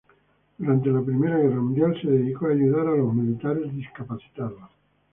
Durante la Primera Guerra Mundial se dedicó a ayudar a los militares discapacitados.